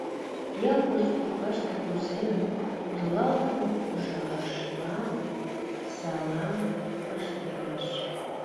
Ял кужыт коклаштак лу семын тодылалтын, кужашлам, иксалам, ыштылеш.